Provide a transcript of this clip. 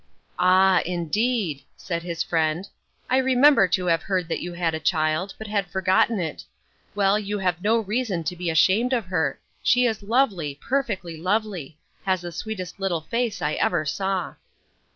"Ah, indeed!" said his friend. "I remember to have heard that you had a child, but had forgotten it. Well, you have no reason to be ashamed of her; she is lovely, perfectly lovely! has the sweetest little face I ever saw."